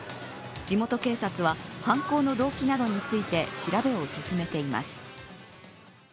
地元警察は、犯行の動機などについて調べを進めています。